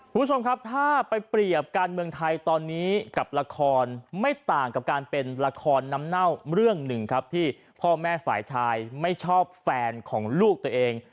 คุณผู้ชมครับถ้าไปเปรียบการเมืองไทยตอนนี้กับละครไม่ต่างกับการเป็นละครน้ำเน่าเรื่องหนึ่งครับที่พ่อแม่ฝ่ายชายไม่ชอบแฟนของลูกตัวเอง